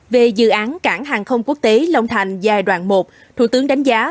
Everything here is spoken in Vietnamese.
về dự án cảng hàng không quốc tế long thành giai đoạn một thủ tướng đánh giá